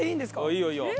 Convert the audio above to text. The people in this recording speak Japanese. いいよいいよ。